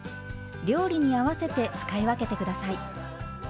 料理に合わせて使い分けて下さい。